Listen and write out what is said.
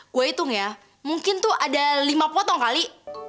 gue hitung ya mungkin tuh ada lima potong kali